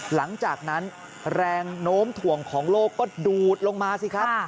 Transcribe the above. หลังจากนั้นแรงโน้มถ่วงของโลกก็ดูดลงมาสิครับ